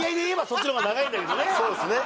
そっちの方が長いんだけどね